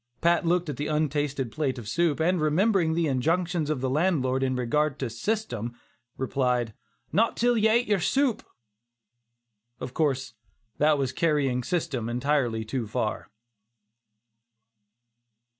Pat looked at the untasted plate of soup, and remembering the injunctions of the landlord in regard to "system," replied: "Not till ye have ate yer supe!" Of course that was carrying "system" entirely too far.